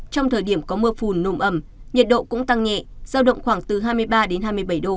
trong thời điểm có mưa phùn nồm ẩm nhiệt độ cũng tăng nhẹ giao động khoảng từ hai mươi ba đến hai mươi bảy độ